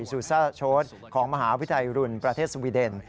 ซูซ่าโชธของมหาวิทยาลัยรุนประเทศสวีเดน